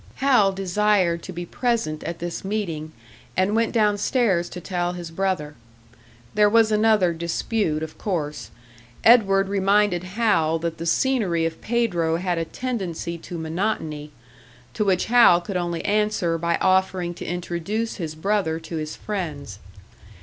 Hal desired to be present at this meeting, and went downstairs to tell his brother. There was another dispute, of course. Edward reminded Hal that the scenery of Pedro had a tendency to monotony; to which Hal could only answer by offering to introduce his brother to his friends.